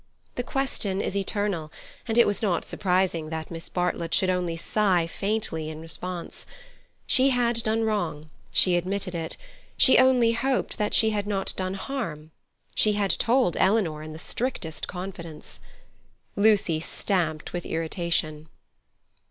The question is eternal, and it was not surprising that Miss Bartlett should only sigh faintly in response. She had done wrong—she admitted it, she only hoped that she had not done harm; she had told Eleanor in the strictest confidence. Lucy stamped with irritation.